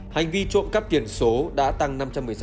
hành vi trộm cắp tiền số đã tăng năm trăm một mươi sáu